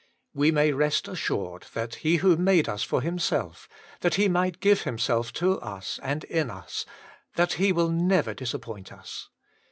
We may rest assured that He who made us for Himself, that He might give Himself to us and in us, that He will never disappoint us.